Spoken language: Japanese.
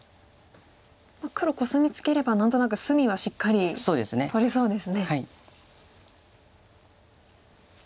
黒コスミツケれば何となく隅はしっかり取れそうですね。